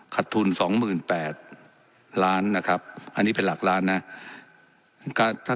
ขัดทุนสองหมื่นแปดล้านนะครับอันนี้เป็นหลักล้านนะ